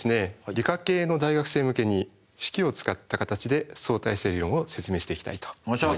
理科系の大学生向けに式を使った形で相対性理論を説明していきたいと思います。